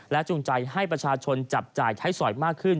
จุงใจให้ประชาชนจับจ่ายใช้สอยมากขึ้น